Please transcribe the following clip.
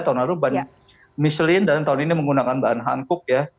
tahun lalu ban michelin dan tahun ini menggunakan ban hankook ya